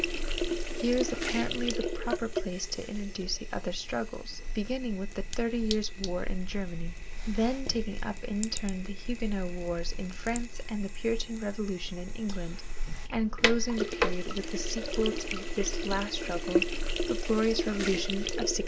Here is apparently the proper place to introduce the other struggles, beginning with the Thirty Years' War in Germany, then taking up in turn the Huguenot wars in France and the Puritan Revolution in England, and closing the period with the sequel to this last struggle, The Glorious Revolution of 1688.